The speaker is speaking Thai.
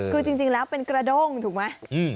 คือจริงแล้วเป็นกระด้งถูกไหม